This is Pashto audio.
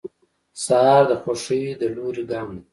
سهار د خوښۍ د لوري ګام دی.